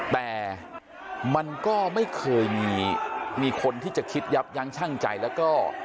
แต่มันก็ไม่เคยมีคนที่จะคิดยับยั้งชั่งใจแล้วก็